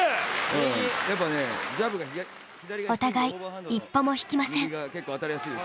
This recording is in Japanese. お互い一歩も引きません。